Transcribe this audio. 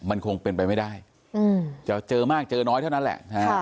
มันคงเป็นไปไม่ได้จะเจอมากเจอน้อยเท่านั้นแหละ